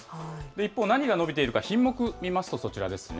一方、何が伸びているか品目見ますとそちらですね。